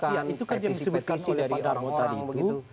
ya itu kan yang disebutkan oleh pak darmo tadi itu